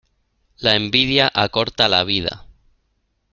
La envidia acorta la vida.